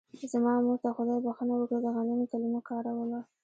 زما مور ته خدای بښنه وکړي د غندنې کلمه کاروله.